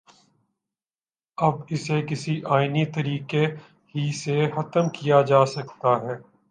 اب اسے کسی آئینی طریقے ہی سے ختم کیا جا سکتا ہے۔